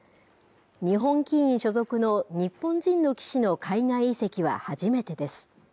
日本棋院所属の日本人の棋士の海外移籍は初めてです。